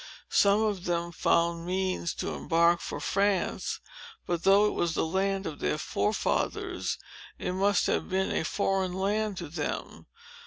Some of them found means to embark for France; but though it was the land of their forefathers, it must have been a foreign land to them.